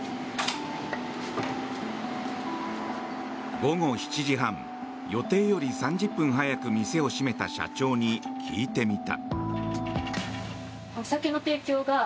午後７時半予定より３０分早く店を閉めた社長に聞いてみた。